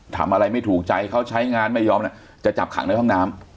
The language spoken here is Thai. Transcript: ทำอะไรไม่ถูกใจเขาใช้งานไม่ยอมจะจับขังในห้องน้ำ